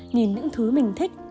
nhìn những thứ mình thích